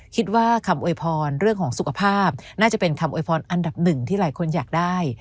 คิดว่าคำอวยพรเรื่องของสุขภาพน่าจะเป็นคำโวยพรอันดับหนึ่งที่หลายคนอยากได้